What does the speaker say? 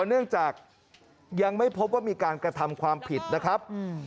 เนื่องจากยังไม่พบว่ามีการกระทำความผิดนะครับ